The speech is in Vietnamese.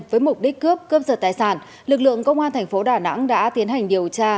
với mục đích cướp cướp giật tài sản lực lượng công an thành phố đà nẵng đã tiến hành điều tra